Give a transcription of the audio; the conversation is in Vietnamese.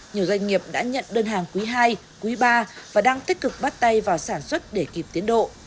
nhiều doanh nghiệp đã nhận đơn hàng quý ii quý ba và đang tích cực bắt tay vào sản xuất để kịp tiến độ